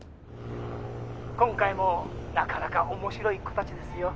今回もなかなか面白い子たちですよ。